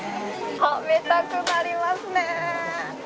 食べたくなりますね。